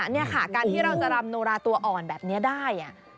นี่ค่ะการที่เราจะรำโนราตัวอ่อนแบบนี้ได้